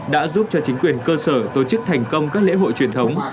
đã giúp cho chính quyền cơ sở tổ chức thành công các lễ hội truyền thống